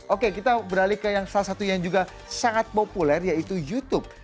oke kita beralih ke yang salah satu yang juga sangat populer yaitu youtube